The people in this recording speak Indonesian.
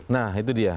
nah itu dia